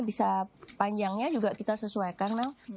bisa panjangnya juga kita sesuaikan dong